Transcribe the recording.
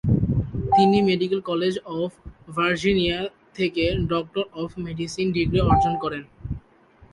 তিনি medical college of Virginia থেকে doctor of medicine degree অর্জন করেন।